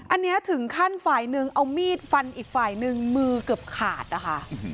อันนี้ถึงขั้นฝ่ายหนึ่งเอามีดฟันอีกฝ่ายนึงมือเกือบขาดนะคะ